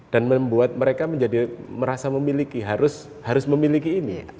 dan membuat mereka menjadi merasa memiliki harus memiliki ini